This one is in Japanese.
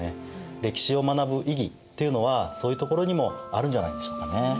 歴史を学ぶ意義っていうのはそういうところにもあるんじゃないでしょうかね。